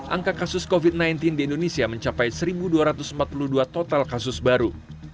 angka kasus covid sembilan belas di indonesia mencapai satu dua ratus empat puluh dua total kasus baru